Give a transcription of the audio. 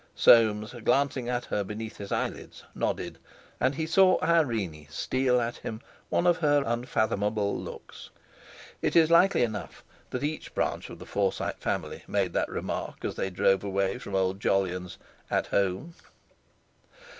Soames, glancing at her beneath his eyelids, nodded, and he saw Irene steal at him one of her unfathomable looks. It is likely enough that each branch of the Forsyte family made that remark as they drove away from old Jolyon's "At Home!"